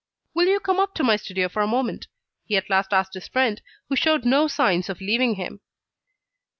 "Will you come up to my studio for a moment?" he at last asked his friend, who showed no signs of leaving him.